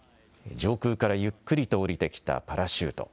上空からゆっくりと降りてきたパラシュート。